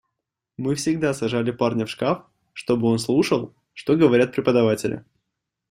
Мы всегда сажали парня в шкаф, чтобы он слушал, что говорят преподаватели.